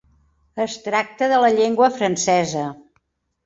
Es tracta de la llengua francesa.